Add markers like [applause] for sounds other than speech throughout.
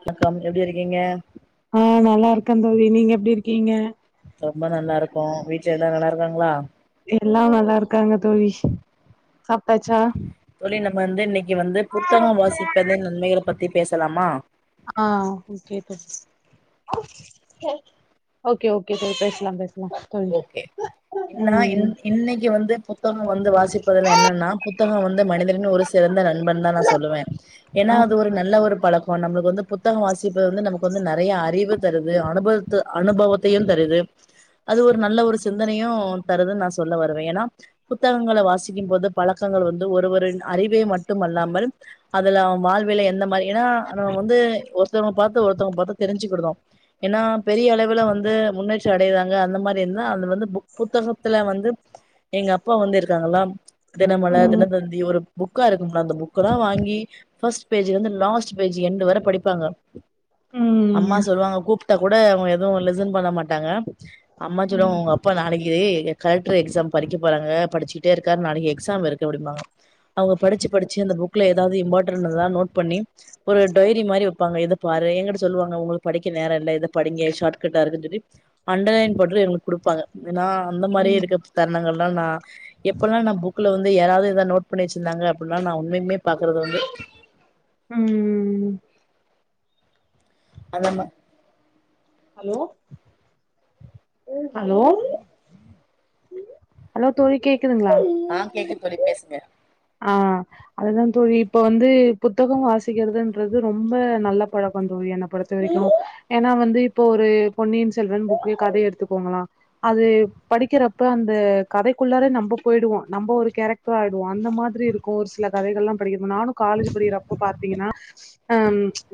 வணக்கம் எப்டி இருக்கீங்க ஆ நல்லாருக்க தோழி நீங்க எப்டி இருக்கீங்க ரொம்ப நல்லாருக்கோ வீட்ல எல்லா நல்லாருக்காங்ளா எல்லா நல்லாருக்காங்க தோழி சாப்டாச்சா தோழி நம்ம வந்து இன்னைக்கு வந்து புத்தகம் வாசிப்பதின் நன்மைகள பத்தி பேசலாமா ஆ ஓக்கே ப ஓக்கே ஓக்கே தோழி பேசலா பேசலா தோழி ஓகே என்னா ம் இன் இன்னைக்கு வந்து புத்தகம் வந்து வாசிப்பதுல என்னன்னா புத்தக வந்து மனிதரின் ஒரு சிறந்த நண்பன் தா நா சொல்லுவே ஏனா அது ஒரு நல்ல ஒரு பழக் இப்போ நம்ளுக்கு வந்து புத்தகம் வாசிப்பது வந்து நமக்கு வந்து நறைய அறிவு தருது அனுபவ த்து அனுபவத்தையு தருது அது ஒரு நல்ல ஒரு சிந்தனையு தருதுன் நா சொல்ல வருவே ஏனா புத்தகங்கள வாசிக்கும்போது பழக்கங்கள் வந்து ஒருவரின் அறிவை மட்டுமல்லாமல் அதுல அவ வாழ்வில எந்த மாரி ஏனா நம்ம வந்து ஒருத்தவங்கள பாத்து ஒருத்தவங்க பாத்து தெரிஞ்சுக்கிடுதோ ஏனா பெரிய அளவில வந் து முன்னேற்றி அடையுறாங்க அந்த மாரி இருந்துனா அதுல வந்து புக் புத்தகத்துல வந்து எங்க அப்பா வந்து இருக்காங்களா தினமல ம் தினத்தந்தி ஒரு புக்கா இருக்கும்ல அந்த புக்கலா வாங்கி ஃபர்ஸ்ட் பேஜ்ல இருந்து லாஸ்ட் பேஜ் எண்டு வர படிப்பாங்க அம்மா ம் சொல்வாங்க கூப்ட்டா கூட அவுங்க எதுவு லிசன் பண்ண மாட்டாங்க அம்மா சொல்லுவாங்க ம் உங்க ப்பா நாளக்கி கலெக்டர் எக்ஸாம் படிக்க போறாங்க படிச்சுட்டே இருக்காரு நாளைக்கு எக்ஸாம் இருக்கு அப்டிம்பாங்க அவுங்க படிச்சு படிச்சு அந்த புக்ல எதாவது இம்பாடன்டானத நோட் பண்ணி ஒரு டைரி மாரி வெப்பாங்க இத பாரு எங்கிட்ட சொல்வாங்க உங்களுக்கு படிக்க நேர இல்ல இத படிங்க ஷாட்கட்டா இருக்குன் சொல்லி அண்டர்லைன் போட்டுலா எங்களுக் குடுப்பாங்க நா அந்த மாரி ம் இருக்க தருணங்கல்லா நா எப்பல்லா நா புக்ல வந்து யாராவது எதா நோட் பண்ணி வெச்சிருந்தாங்க அப்டின்னா நா உண்மைக்குமே பாக்கறது வந்து ம் அதாம ஹலோ ஹலோ ஹலோ தோழி கேக்குதுங்ளா ஆ கேக்கு தோழி பேசுங்க ஆ அதுதா தோழி இப்ப வந்து புத்தக வாசிக்கிறதுன்றது ரொம்ப நல்ல பழக்க தோழி என்னப் பொறு த்தவரைக்கு ஏனா வந்து இப்போ ஒரு பொன்னியின் செல்வன் புக்கே கத எடுத்துக்கோங்களா அது படிக்கிறப்ப அந்த கதைக்குள்ளார நம்ப போய்டுவோ நம்ப ஒரு கேரக்டரா ஆய்டுவோ அந்த மா திரி இருக்கு ஒரு சில கதைகள்லா படிக்கிறப்போ நானு காலேஜ் படிக்கிறப்ப பாத்திங்கனா அ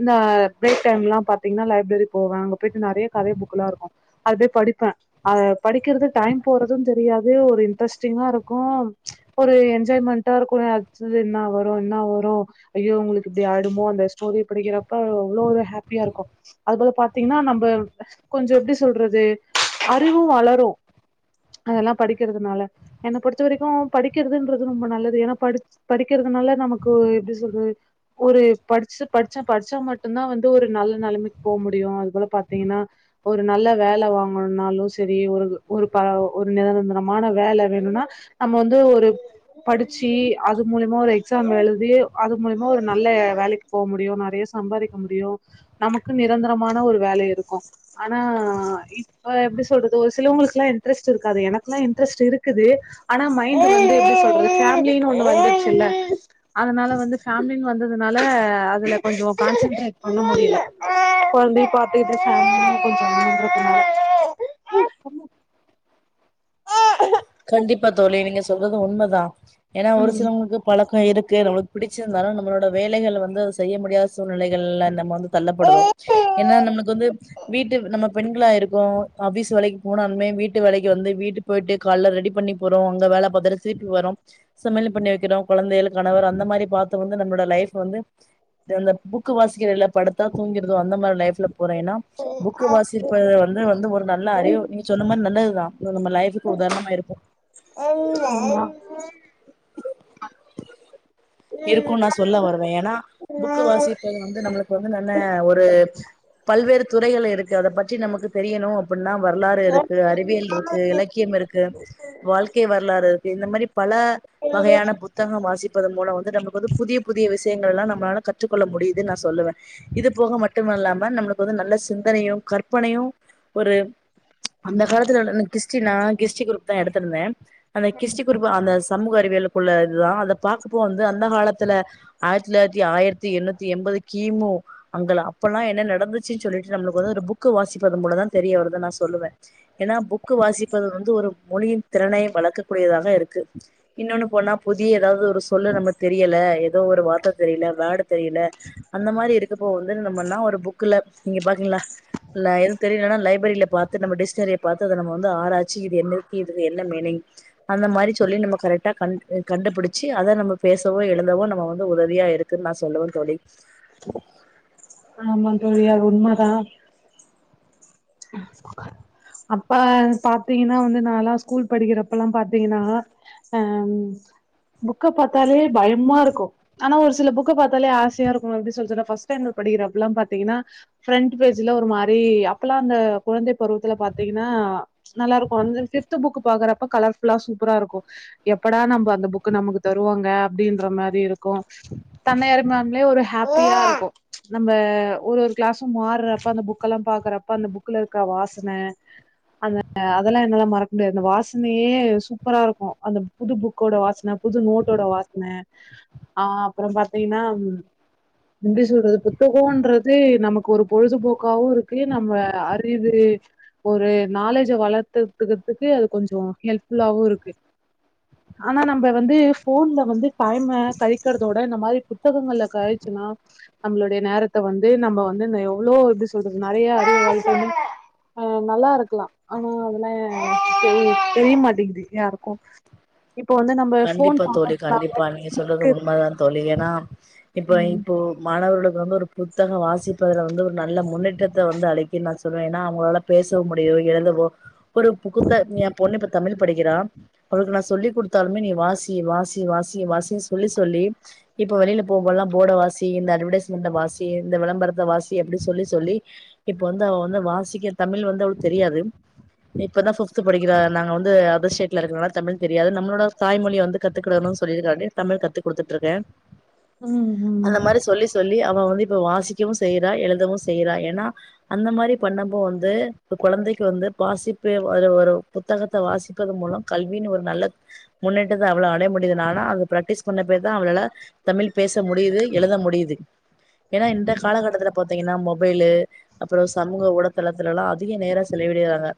இந்த பிரேக் டைம்லா பாத்திங்னா லைப்ரரி போவே அங்க போய்ட்டு நெறைய கதை புக்குலா இருக்கு அது படிப்ப அத படிக்கறது டைம் போறது தெரியாது ஒரு இன்ட்ரெஸ்டிங்கா இருக்கு ஒரு என்ஜாய்மெண்ட்டா இருக்கு அட்த்தது என்னா வரு என்னா வரு ஐயோ இவுங்ளுக்கு இப்டி ஆய்டுமோ அந்த ஸ்டோரி படிக்கிறப்ப அவ்ளோ ஒரு ஹேப்பியா இருக்கு அது போல பாத்திங்கனா நம்ம கொஞ்சோ எப்டி சொல்றது அறிவு வளரு அதெல்லா படிக்குறதுனால என்ன பொறுத்த வரைக்கு படிக்குறதுன்றது ரொம்ப நல்லது ஏனா படி படிக்குறதுனால நமக்கு எப்டி சொல்றது ஒரு படிச்சு படிச்ச படிச்சா மட்டுந்தா வந்து ஒரு நல்ல நெலமைக்கு போ முடியு அது போல பாத்திங்கனா ஒரு நல்ல வேல வாங்கணுனாலு செரி ஒரு ஒரு ப ஒரு நிரந்தரமான வேல வேணுனா நம்ம வந்து ஒரு ச்சி அது மூலியமா ஒரு எக்ஸாம் எழுதி அது மூலியமா ஒரு நல்ல வேலைக்கு போ முடியு நெறைய சம்பாரிக் க முடியு நமக்கு நிரந்தரமான ஒரு வேலை இருக்கு ஆனா இப்ப எப்டி சொல்றது ஒரு சிலவங்களுக்கெலா இன்ட்ரெஸ்ட் இருக்காது எனக்கெலா இன்ட்ரெஸ்ட் இருக்குது ஆனா மைண்டு வந்து எப்டி சொல்றது ஃபேமிலினு ஒண்ண வந்துருச்சு இல்ல அதனால வந்து ஃபேமிலின்னு வந்ததுனால அதுல கொஞ்ச கான்சன்ட்ரேட் பண்ண முடில கொழந்தைய பாத்துக்கிட்டு [inaudible] [unintelligible] கண்டிப்பா தோழி நீங்க சொல்றது உண்மதா ஏனா ஒரு ம் சிலவங்களுக்கு பழக்க இருக்கு நம்மளுக்கு பிடிச்சிருந்தாலு நம்மளோட வேலைகள் வந்து அத செய்ய முடியாத சூழ்நிலைகள்ல நம்ம வந்து தள்ளப்படுதோ ஏன்னா நம்மளுக்கு வந்து வீட்டு நம்ம பெண்களா இருக்கோ ஆஃபிஸ் வேலைக்கு போனாலுமே வீட்டு வேலைக்கு வந்து வீட்டு போயிட்டு கால்ல ரெடி பண்ணி போறோ அங்க வேல பாத்துட்டு திருப்பி வரோ சமயல் பண்ணி வெக்கிறோ கொழந்தைகள் கணவர் அந்த மாரி பாத்து வந்து நம்மளோட லைஃப் வந்து அந்த புக்கு வாசிக்கிற இல்ல படுத்தா தூங்கிருது அந்த மாரி லைஃப்ல போறே ஏன்னா புக்கு வாசிப்பது வந்து வந்து ஒரு நல்ல அறிவு நீங்க சொன்ன மாரி நல்லதுதா நம்ம லைஃப்க் கு உதாரணமா இருக்கு ஆமா இருக்கு நா சொல்ல வருவே ஏன்னா புக்கு வாசி சரி வந்து நம்மளுக்கு வந்து நன்ன ஒரு பல்வேறு துறைகள் இருக்கு அத பற்றி நமக்கு தெரியணு எப்ன்னா வரலாறு இருக்கு அறிவியல் ருக்கு இலக்கியம் இருக்கு வாழ்க்கை வரலாறு இருக்கு இந்த மாரி பல வகையான புத்தகம் வாசிப்பதன் மூல வந்து நமக்கு வந்து புதிய புதிய விஷயங்கள்லா நம்ளால க ற்றுக் கொள்ள முடியுது நா சொல்லுவே இது போக மட்டுமல்லாம நம்ளு க் போது நல்ல சிந்தனையு கற்பனையு ஒரு அந்த காலத்துல [unintelligible] எனக் கிஸ்ட்ரினா கிஸ்ட்ரி குரூப் தா எடுத்திருந்தே அந்த கிஷ்ட்ரி குரூப் அந்த சமூக அறிவியலுக்குள்ள இதா அத பாக்கப்போ வந்து அந்த காலத்துல ஆயிரத் தொளாயிரத்தி ஆயிரத்தி எண்ணூத்தி எம்பது கிமு அங்கலா அப்பெலா என்ன நடந்துச்சுன் சொல்லிட்டு நம்மளுக்கு வந்து ஒரு புக்கு வாசிப்பது மூல தா தெரிய வரு இத நா சொல்லுவே ஏன்னா புக்கு வாசிப்பது வந்து ஒரு மொழியின் திறனை வளக்கக் கூடியதாக இருக்கு இன்னொன்னு போனா புதிய ஏதாவது ஒரு சொல்லு நம தெரியல ஏதோ ஒரு வார்த்த தெரியல வேடு தெரியல அந்த மாரி இருக்கப்ப வந்து நம்மன்னா ஒரு புக்குல நீங்க பாக்கீங்ளா லைன் தெரிலனா லைப்ரரில பாத்து நம்ம டிஷ்னரிய பாத்து அத நம்ம வந்து ஆராய்ச்சி இது என்ன இருக் இதுக்கு என்ன மீனிங் அந்த மாரி சொல்லி நம்ம கரெக்டா க கண்டுபிடிச்சு அத நம்ம பேசவோ எழுதவோ நம்ம வந்து உதவியா இருக்குன் நா சொல்லுவே தோழி ஆமா தோழி அது உண்ம தா [inaudible] அப்பா பாத்தீங்கன்னா வந்து நால்லா ஸ்கூல் படிக்கிறப்பலாம் பாத்தீங்ன்னா அ ம் புக்க பாத்தாலே பயமா இருக்கு ஆனா ஒரு சில புக்க பாத்தாலே ஆசயா இருக்கு எப்டி சொல் சொல்ற ஃபஸ்ட் ஸ்டேண்டட் படிக்கறப்ல பாத்தீங்கன்னா ஃப்ரண்ட்டு பேஜ்ல ஒரு மாரி அப்பெலா அந்த குழந்தை பருவத்துல பாத்தீங்னா நல்லாருக்கு அந்த சிக்ஸ்த் புக் பாக்குறப்ப கலர் ஃபுல்லா சூப்பரா இருக்கு எப்படா நம்ம அந்த புக்கு நமக்கு தருவாங்க அப்டின்ற மாரி இருக்கு தன்னைய [unintelligible] ம்லே ஒரு ஹேப்பியா இருக்கு நம்ம ஒரு ஒரு கிளாஸ்சும் மார்றப்ப அந்த புக்கலாம் பாக்கற ப்ப அந்த புக்குல இருக்க வாசன அந்த அதெல்லா என்னாலா மறக்க முடியாது அந்த வாசனயே சூப்பரா இருக்கு அந்த புது புக்கோட வாசன புது நோட்டோட வாசன ஆ அப்பறம் பாத்தீங்கன்னா எப்டி சொல்றது புத்தகோன்றது நமக்கு ஒரு பொழுதுபோக்காவு இருக்கு நம்ம அறிவு ஒரு நாலேஜ வளத்து வுட்டுகறத்துக்கு அது கொஞ்சோ ஹெல்ப் ஃபுல்லாவு இருக்கு ஆனா நம்ம வந்து ஃபோன்ல வந்து டைம கழிக்கிறதோட இந்த மாரி புத்தகங்கள்ல கழிச்சுனா நம்மளுடைய நேரத்த வந்து நம்ம வந்து இந்த எவ்ளோ எப்டி சொல்றது நெறய அறிவ [unintelligible] அ நல்லாருக்கலா ஆனா அதெல்லா தெ தெரிய மாட்டேங்கிது யாருக்கு இப்ப வந்து நம்ம கண்டிப்பா தோழி பாக்கறதுக்கு கண்டிப்பா நீங்க சொல்றது உண்ம தா தோழி ஏனா இப்ப ம் இப்போ மாணவர்களுக்கு வந்து ஒரு புத்தக வாசிப்பதுல வந்து ஒரு நல்ல முன்னேற்றத்த வந்து அளிக்கு நா சொல்லுவே ஏனா அவுங்களால பேசவும் முடியு எழுதவோ ஒரு புகுத்த எம் பொண்ணு இப்ப தமிழ் படிக்கிறா அவளுக்கு நா சொல்லிகுடுத் தாலுமே நீ வாசி வாசி வாசி வாசின் சொல்லி சொல்லி இப்ப வெளில போம்போல்லா போட வாசி இந்த அட்வடைஸ்மெண்ட வாசி இந்த விளம்பரத்த வாசி அப்டி சொல்லி சொல்லி இப்ப வந்து அவ வந்து வாசிக்க தமிழ் வந்து அவளுக்கு தெரியாது இப்பதா ஃபிஃப்த் படிக்கிறா நாங்க வந்து அதர் ஸ்டேட்ல இருக்கறதுனால தமிழ் தெரியாது நம்மளோட தாய்மொழி வந்து கத்துக்கடணுனு சொல்லிருக்காண்டி தமிழ் கத்து குடுத்துட்டுருக்கேன் ம் ம் அந்த மாரி சொல்லி சொல்லி அவ வந்து இப்ப வாசிக்கவு செய்றா எழுதவு செய்யறா ஏனா அந்த மாரி பண்ணும்போது கொழந்தைக்கு வந்து வாசிப்பே வரு வரு புத்தகத்த வாசிப்பது மூலம் கல்வின்னு ஒரு நல்ல முன்னேற்றத்த அவ்ளோ அடைய முடியுதுனால அது பிராக்டிஸ் பண்ண பேர்தான் அவளால தமிழ் பேச முடிது எழுத முடிது ஏனா இந்த காலகட்டத்துல பாத்தீங்கன்னா மொபைலு அப்றோ சமூக ஊடதளத்துல எல்லா அதிக நேரோ செலவிடிறாங்க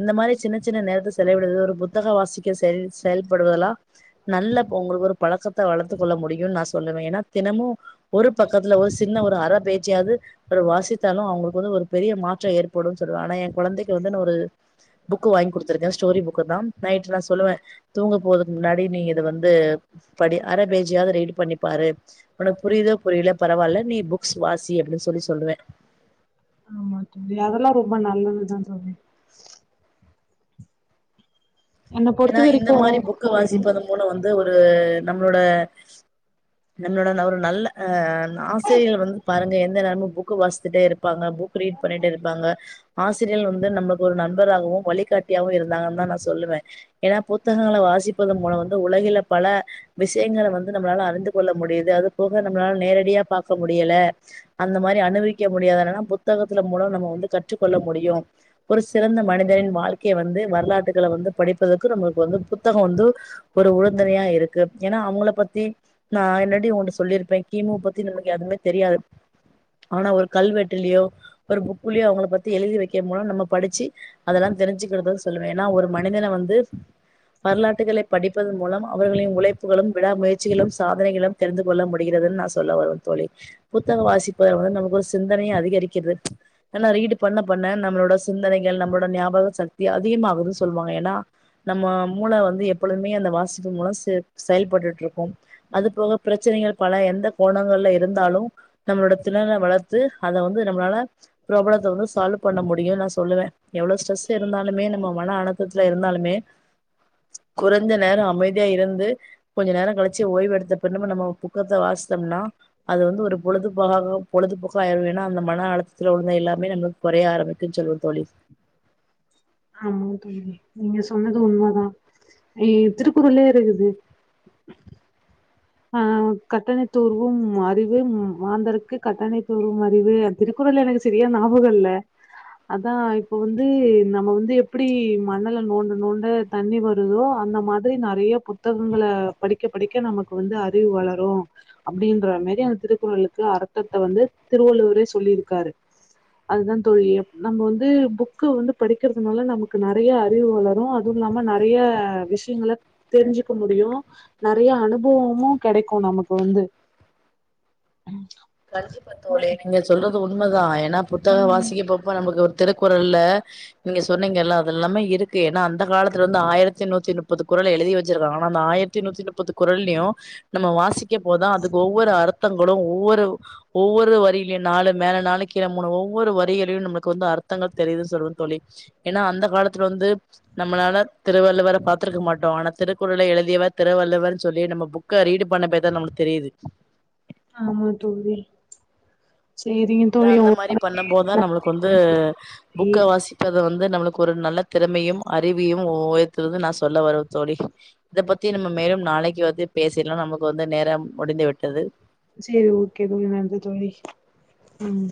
இந்த மாரி சின்ன சின்ன நேரத்த செலவிடுவது ஒரு புத்தக வாசிக்க செ செயல்படுவதெல்லா நல்ல உங்களுக்கு ஒரு பழக்கத்த வளத்து கொள்ள முடியுனு நா சொல்லுவேன் ஏனா தினமு ஒரு பக்கத்துல ஒரு சின்ன ஒரு அர பேஜ்ஜியது ஒரு வாசித்தாலு அவுங்களுக்கு வந்து ஒரு பெரிய மாற்றோ ஏற்படுன்னு சொல்லுவேன் ஆனா என் கொழந்தை க்கு வந்து நா ஒரு புக்கு வாங்கி குடுத்திருக்கேன் ஸ்டோரி புக்குதான் நைட் நா சொல்லுவேன் தூங்க போறதுக்கு முன்னாடி நீ இதை வந்து படி அர பேஜையாது ரீட் பண்ணிப்பாரு உனக்கு புரிதா புரிலயா பரவால்ல நீ புக்ஸ் வாசி அப்டின் சொல்லி சொல்லுவேன் ஆமா தோழி அதெல்லா ரொம்ப நல்லதுதான் தோழி என்ன பொறுத்த ஏனா இந்த வரைக்கு மாரி புக்க ம் வாசிப்பதும் மூளை வந்து ஒரு நம்மளோட நம்மளோட ஒரு நல்ல அ ஆசிரியர்கள் வந்து பாருங்க எந்த நேரமு புக்கு வாசத்துட்டே இருப்பாங்க புக் ரீட் பண்ணிட்டே இருப்பாங்க ஆசிரியர்கள் வந்து நம்மளுக்கு ஒரு நண்பராகவும் வழிகாட்டியாகவு இருந்தாங்கன்னுதான் நா சொல்லுவேன் ஏனா புத்தகங்கள வாசிப்பது மூலம் வந்து உலகில பல விஷ்யங்கள வந்து நம்மளால அறிந்து கொள்ள முடிது அது போக நம்மளால நேரடியா பாக்க முடில அந்த மாரி அனுபவிக்க முடியாதுன்னா புத்தகத்துல மூலோ நம்ம வந்து கற்றுக்கொள்ள முடியு ஒரு சிறந்த மனிதனின் வாழ்க்கையை வந்து வரலாற்றுகள வந்து படிப்பதற்கு நம்மளுக்கு வந்து புத்தகோ வந்து ஒரு உழுந்துணையா இருக்கு ஏனா அவுங்கள பத்தி நா என்னடி உன்ட்ட சொல்லிருப்பேன் கி மு பத்தி நமக்கு எதுமே தெரியாது ஆனா ஒரு கல்வெட்டுலயோ ஒரு புக்ளயோ அவுங்கள பத்தி எழுதி வெக்க மூலோ நம்ம படிச்சு அதெல்லா தெரிஞ்சிக்கறதுன்னு சொல்லுவேன் ஏனா ஒரு மனிதன வந்து வரலாற்றுகளை படிப்பதன் மூலம் அவர்களின் உழைப்புகளும், விடா முயற்சிகளும், சாதனைகளும் தெரிந்து கொள்ள முடிகிறதுன்னு நா சொல்ல வருவேன் தோழி புத்தக வாசிப்பது வந்து நமக்கு ஒரு சிந்தனையை அதிகரி க்கிறது ஆனா ரீட் பண்ண பண்ண நம்மளோட சிந்தனைகள் நம்மளோட ஞாபக சக்தி அதிகமாகுதுன்னு சொல்வாங்க ஏனா நம்ம மூள வந்து எப்பொழுமே அந்த வாசிப்பு மூலோ செயல்பட்டுட்டு இருக்கு அதுபோக பிரச்சனைகள் பல எந்த கோணங்கள்ல இருந்தாலு நம்மளோட திறன வளர்த்து அத வந்து நம்மளால ப்ராப்ளத்த வந்து சால்வ் பண்ண முடியுனு நா சொல்லுவேன் எவ்ளோ ஸ்ட்ரஸ் இருந்தாலுமே நம்ம மன அழுத்தத்துல இருந்தாலு குறைந்த நேரோ அமைதியா இருந்து கொஞ்சோ நேரோ கழிச்சி ஓய்வு எடுத்த பின்னமு நம்ம புக்கத்த வாசிச்சம்னா அது வந்து ஒரு பொழுதுபோ பொழுதுபோக்கா ஆயிரு ஏனா அந்த மன அழுத்தத்துல உள்ள எல்லாமே நமக்கு கொறைய ஆரம்பிக்குன்னு சொல்லுவன் தோழி ஆமா தோழி நீங்க சொன்னது உண்மதான் இ திருக்குறள்லயே இருக்குது ஆ கட்டணைத் தூர்வும் அறிவு மாந்தருக்கு கட்டணை தூரும் அறிவு திருக்குறள எனக்கு சரியா ஞாபகோ இல்ல அதான் இப்போ வந்து நம்ம வந்து எப்டி மணல்ல நோண்ட நோண்ட தண்ணி வருதோ அந்த மாதிரி நெறைய புத்தகங்கள படிக்க படிக்க நமக்கு வந்து அறிவு வளரும் அப்படின்ற மாரி அந்த திருக்குறளுக்கு அர்த்தத்த வந்து திருவள்ளுவரே சொல்லியிருக்காரு அதுதான் தோழி நம்ம வந்து புக்கு வந்து படிக்கிறதுனால நமக்கு நெறைய அறிவு வளரும் அது இல்லாம நெறைய விஷயங்கல தெரிஞ்சுக்க முடியும் நெறைய அனு பவமுவு கிடைக்கும் நமக்கு வந்து கண்டிப்பா தோழி நீங்க சொல்றது உண்மதான் ஏன்னா புத்தகம் வாசிக்க போரப்ப நமக்கு திருக்குறள்ல நீங்க சொன்னீங்கல்லாம் அது எல்லாமே இருக்கு ஏன்னா அந்த காலத்துல வந்து ஆயிரத்தி நூத்தி முப்பது குரல எழுதி வச்சிருக்கங்க ஆனா அந்த ஆயிரத்தி நூத்தி முப்பது குரலயும் நம்ம வாசிக்க போதான் அதுக்கு ஒவ்வொரு அர்த்தங்களும் ஒவ்வொரு ஒவ்வொரு வரியிலயையும் நாலு மேல நாலு கீழ மூணு ஒவ்வொரு வரிகளையும் நமளுக்கு வந்து அர்த்தங்கள் தெரிதுன் சொல்லுவ தொழி ஏன்னா அந்த காலத்துல வந்து நம்மளால திருவள்ளுவர பாத்திருக்க மாட்டோம் ஆனா திருக்குறளைக்ஷ எழுதியவ திருவள்ளுவர்ன்னு சொல்லி நம்ம புக்க ரீடு பண்ண போயி தான் நமளுக்கு தெரியுது ஆமா தோழி செரி ஏன்னா அந்த மாரி பண்ண போது தான் நம்மளுக்கு வந்து புக்க வாசி க்கதுல வந்து நம்மளுக்கு ஒரு நல்ல திறமையும் அறிவியும் ஒ ஒயர்த்தது நா சொல்ல வருவே தோழி இத பத்தி நம்ம மேலும் நாளைக்கு வந்து பேசிடலாம் நமக்கு வந்து நேரம் முடிந்து விட்டது செரி ஓகே தோழி நன்றி தோழி ம்